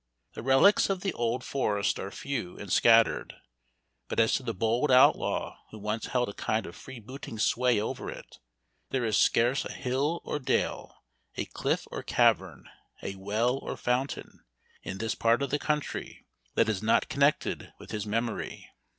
The relics of the old forest are few and scattered, but as to the bold outlaw who once held a kind of freebooting sway over it, there is scarce a hill or dale, a cliff or cavern, a well or fountain, in this part of the country, that is not connected with his memory.